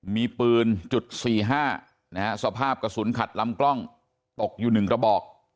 มีปืนจุด๔๕นะฮะสภาพกระสุนขัดลำกล้องตกอยู่๑กระบอก